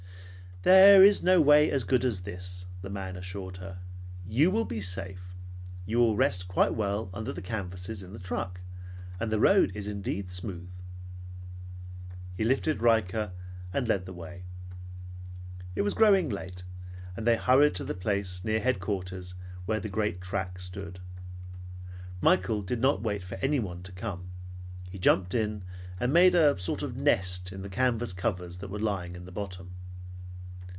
"There is no way as good as this," the man assured her. "You will be safe. You will rest quite well under the canvases in the truck. And the road is indeed smooth." He lifted Rika and led the way. It was growing late, and they hurried to the place near headquarters where the great track stood. Michael did not wait for anyone to come. He jumped in, and made a sort of nest in the canvas covers that were lying in the bottom.